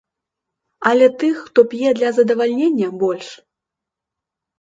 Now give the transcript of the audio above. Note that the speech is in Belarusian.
Але тых, хто п'е для задавальнення, больш.